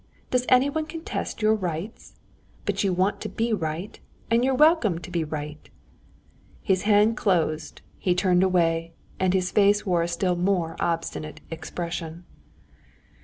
"Does anyone contest your rights? But you want to be right, and you're welcome to be right." His hand closed, he turned away, and his face wore a still more obstinate expression.